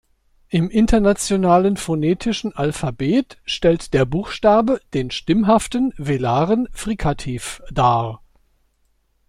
Im internationalen phonetischen Alphabet stellt der Buchstabe den stimmhaften velaren Frikativ dar.